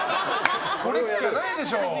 これっきゃないでしょ！